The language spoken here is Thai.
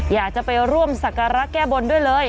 อยากจะไปร่วมสักการะแก้บนด้วยเลย